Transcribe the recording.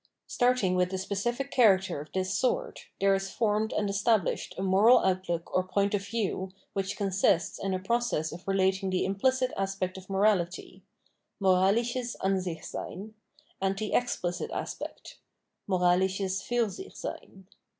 Starting with a specific character of this sort, there is formed and established a moral outlook or point of view which consists in a process of relating the im plicit aspect of morality {moralisches Ansichseyn) and the exphcit aspect {moralisches Fiirsichseyn).